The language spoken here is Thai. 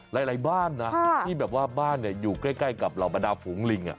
หลายบ้านนะที่แบบว่าบ้านอยู่ใกล้กับเหล่าบรรดาฝูงลิง